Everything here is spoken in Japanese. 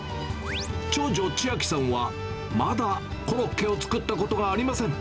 長女、千晶さんは、まだコロッケを作ったことがありません。